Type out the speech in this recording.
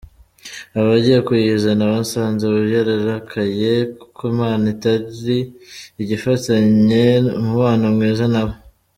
Abagiye kuyizana basanze yararakaye, kuko Imana itari igifitanye umubano mwiza na bo.